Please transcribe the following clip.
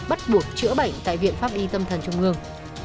bắt buộc chữa bệnh tại viện pháp y tâm thần trung ương